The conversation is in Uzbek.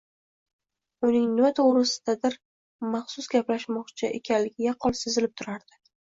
Uning nima to'g'risidadir maxsus gaplashmoqchi ekanligi yaqqol sezilib turardi.